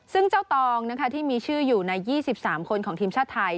ซึ่งเจ้าตองที่มีชื่ออยู่ใน๒๓คนของทีมชาติไทย